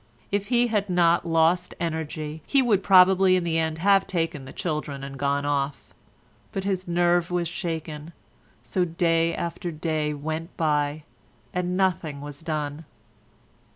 If he had not lost energy he would probably in the end have taken the children and gone off, but his nerve was shaken, so day after day went by and nothing was done.